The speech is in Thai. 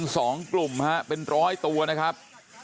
สวัสดีครับ